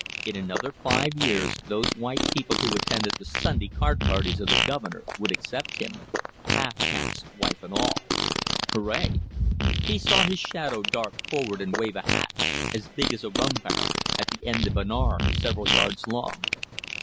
In another five years those white people who attended the Sunday card parties of the Governor would accept him half caste wife and all! Hooray! He saw his shadow dart forward and wave a hat, as big as a rum barrel, at the end of an arm several yards long.